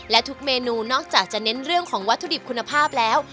และทุกเมนูนอกจากจะเน้นเรื่องของวัตถุดิบคุณภาพแล้ว